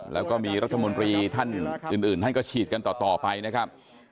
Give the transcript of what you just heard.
แล้วก็มีรัฐมนตรีท่านอื่นท่านก็ฉีดกันต่อไปนะครับ